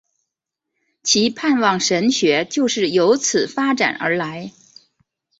其盼望神学就是有此发展出来。